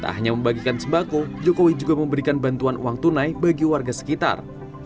tak hanya membagikan sembako jokowi juga memberikan bantuan uang tunai bagi warga sekitar